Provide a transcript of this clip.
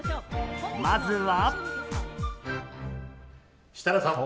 まずは。